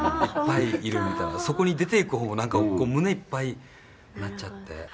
そこに出ていく方も、なんか胸いっぱいになっちゃって。